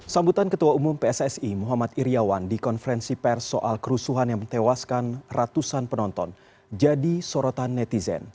sambutan ketua umum pssi muhammad iryawan di konferensi pers soal kerusuhan yang mentewaskan ratusan penonton jadi sorotan netizen